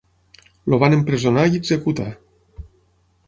El van empresonar i executar.